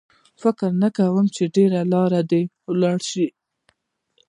فکر نه کوم چې ډېره لار دې ولاړ شو.